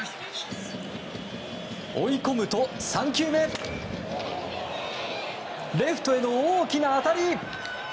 追い込むと、３球目レフトへの大きな当たり！